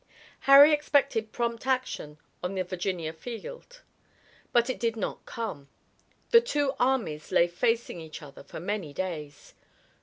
Harry expected prompt action on the Virginia field, but it did not come. The two armies lay facing each other for many days.